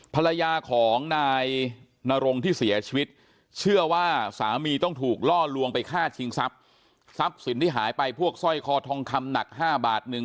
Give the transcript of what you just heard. ภรรยาของนายนรงที่เสียชีวิตเชื่อว่าสามีต้องถูกล่อลวงไปฆ่าชิงทรัพย์ทรัพย์สินที่หายไปพวกสร้อยคอทองคำหนักห้าบาทหนึ่ง